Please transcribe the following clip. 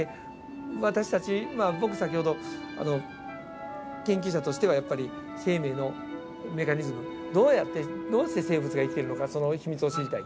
私たち僕先ほど研究者としてはやっぱり生命のメカニズムどうやってどうして生物が生きているのかその秘密を知りたい。